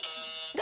誰？